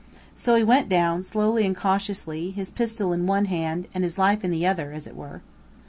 So he went down, slowly and cautiously, his pistol in one hand, and his life in the other, as it were.